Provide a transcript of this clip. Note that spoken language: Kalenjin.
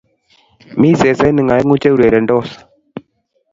Mi sesenik aeng'u che urerendos